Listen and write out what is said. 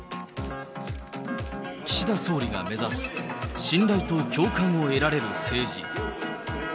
岸田総理が目指す、信頼と共感を得られる政治。